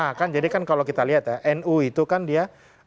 nah jadi kan kalau kita lihat ya nu itu kan dia empat puluh